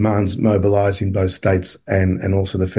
dan itu membutuhkan mobilisasi di kedua negara